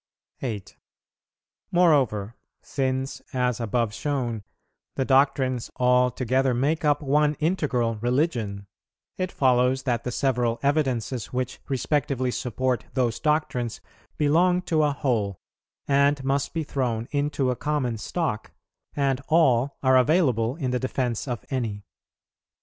8. Moreover, since, as above shown, the doctrines all together make up one integral religion, it follows that the several evidences which respectively support those doctrines belong to a whole, and must be thrown into a common stock, and all are available in the defence of any.